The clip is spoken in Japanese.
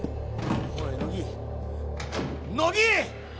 おい乃木乃木！